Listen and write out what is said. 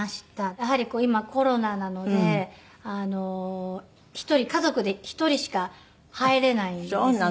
やはり今コロナなので家族で１人しか入れないんですね。